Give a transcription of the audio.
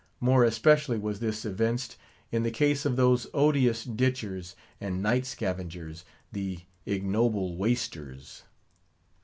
More especially was this evinced in the case of those odious ditchers and night scavengers, the ignoble "Waisters."